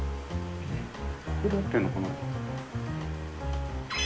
ここで合ってるのかな。